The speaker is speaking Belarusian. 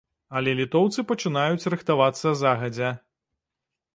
Але літоўцы пачынаюць рыхтавацца загадзя.